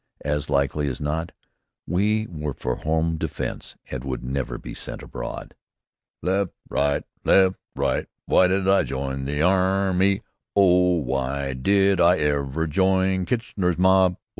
As likely as not we were for home defense and would never be sent abroad. "Left! Right! Left! Right! Why did I join the army? Oh! Why did I ever join Kitchener's Mob?